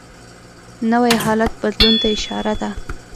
نوی حالت بدلون ته اشاره ده